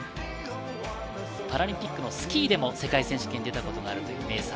パラリンピックのスキーでも世界選手権に出たことがあるメーサー。